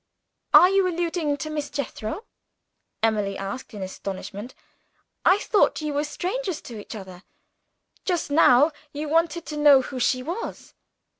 "Are you alluding to Miss Jethro?" Emily asked, in astonishment. "I thought you were strangers to each other. Just now, you wanted to know who she was."